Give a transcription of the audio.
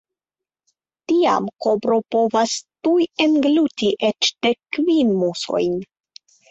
Tiam kobro povas tuj engluti eĉ dek kvin musojn.